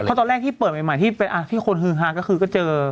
เพราะตอนแรกที่เปิดใหม่ที่คนฮือฮาก็คือก็เจอ